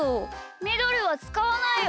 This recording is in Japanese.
みどりはつかわないよ。